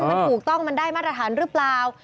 มันถูกต้องมันได้มาตรฐานหรือเปล่า